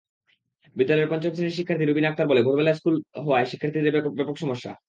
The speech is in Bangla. বিদ্যালয়ের পঞ্চম শ্রেণির শিক্ষার্থী রুবিনা আক্তার বলে, ভোরবেলায় স্কুল হওয়ায় শিক্ষার্থীদের ব্যাপক সমস্যা।